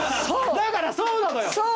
だからそうなのよ。